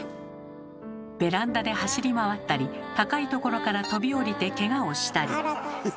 ベランダで走り回ったり高いところから飛び降りてケガをしたり。